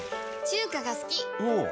中華が好き。